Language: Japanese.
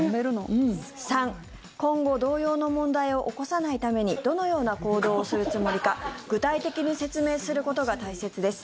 ３、今後、同様の問題を起こさないためにどのような行動をするつもりか具体的に説明することが大切です。